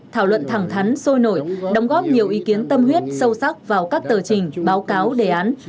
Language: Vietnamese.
thảo luận thẳng thắn sôi nổi đóng góp nhiều ý kiến tâm huyết sâu sắc vào các tờ trình báo cáo đề án